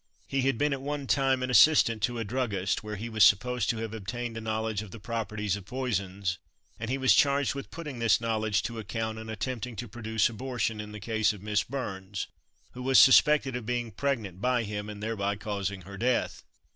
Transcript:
He had been at one time an assistant to a druggist, where he was supposed to have obtained a knowledge of the properties of poisons, and he was charged with putting this knowledge to account in attempting to produce abortion in the case of Miss Burns, who was suspected of being pregnant by him, and thereby causing her death.